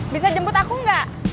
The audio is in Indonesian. bisa jemput aku gak